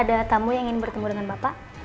ada tamu yang ingin bertemu dengan bapak